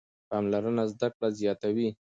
پاملرنه زده کړه زیاتوي.